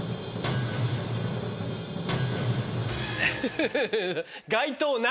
フフフ。